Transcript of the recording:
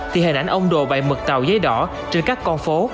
thì hình ảnh ông đồ bày mực tàu giấy đỏ trên các con phố